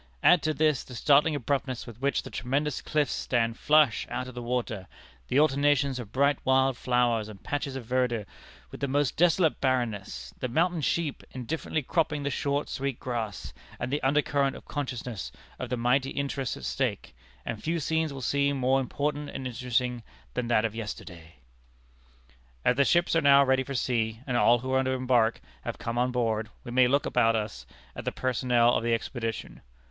Add to this, the startling abruptness with which the tremendous cliffs stand flush out of the water, the alternations of bright wild flowers and patches of verdure with the most desolate barrenness, the mountain sheep indifferently cropping the short, sweet grass, and the undercurrent of consciousness of the mighty interests at stake, and few scenes will seem more important and interesting than that of yesterday." As the ships are now ready for sea, and all who are to embark have come on board, we may look about us at the personnel of the expedition.